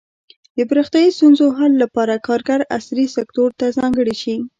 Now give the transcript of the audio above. د پراختیايي ستونزو حل لپاره کارګر عصري سکتور ته ځانګړي شي.